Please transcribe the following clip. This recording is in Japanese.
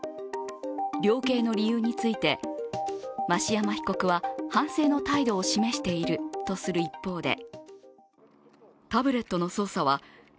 量刑の理由について、増山被告は反省の態度を示しているとする一方で。